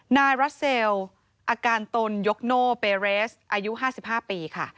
นายรัสเซลอาการตนยกโน่เปเรสอายุ๕๕ปีค่ะ